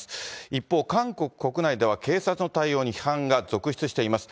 一方、韓国国内では警察の対応に批判が続出しています。